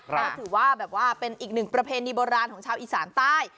ก็ถือว่าแบบว่าเป็นอีกหนึ่งประเพณีโบราณของชาวอีสานใต้